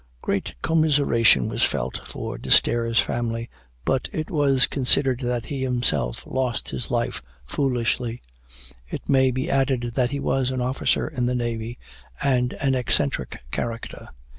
Great commiseration was felt for D'Esterre's family, but it was considered that he himself lost his life foolishly. It may be added that he was an officer in the navy, and an eccentric character.